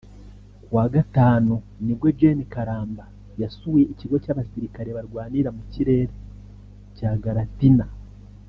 Ku wa Gatanu nibwo Gen Karamba yasuye Ikigo cy’abasirikare barwanira mu kirere cya Galatina